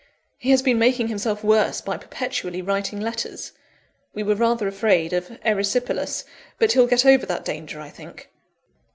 He has been making himself worse by perpetually writing letters; we were rather afraid of erysipelas, but he'll get over that danger, I think."